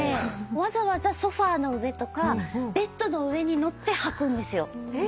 わざわざソファの上とかベッドの上にのって吐くんですよ。